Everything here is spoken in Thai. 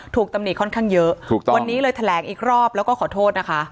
ตำหนิค่อนข้างเยอะถูกต้องวันนี้เลยแถลงอีกรอบแล้วก็ขอโทษนะคะ